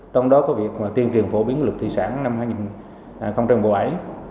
trong đó có việc tiên triền phổ biến lực thị sản năm hai nghìn trong bộ ấy